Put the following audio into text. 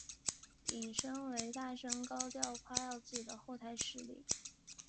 引申为大声高调夸耀自己的后台势力。